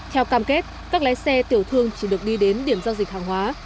theo cam kết các lái xe tiểu thương chỉ được đi đến điểm giao dịch hàng hóa